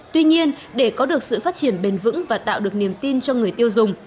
tuy nhiên để có được sự phát triển bền vững và tạo được niềm tin cho người tiêu dùng